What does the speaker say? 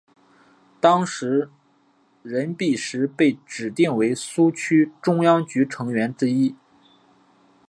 当时任弼时被指定为苏区中央局成员之一。